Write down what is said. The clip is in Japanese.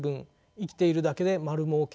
生きているだけで丸儲け。